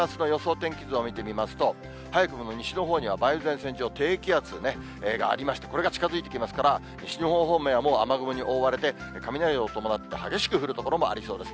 天気図を見てみますと、早くも西のほうには梅雨前線上、低気圧がありまして、これが近づいてきますから、西日本方面はもう、雨雲に覆われて、雷を伴って激しく降る所もありそうです。